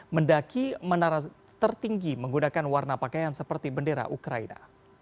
mendaki menara tertinggi menggunakan warna pakaian seperti bendera ukraina